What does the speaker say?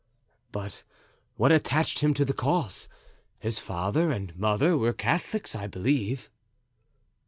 "But what attached him to the cause? His father and mother were Catholics, I believe?"